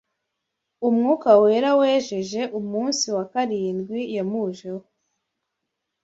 Mwuka Wera wejeje umunsi wa karindwi yamujeho